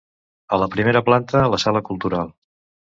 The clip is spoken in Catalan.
A la primera planta la Sala Cultural.